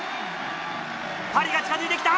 パリが近づいてきた！